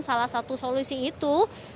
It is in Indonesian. salah satu solusi itu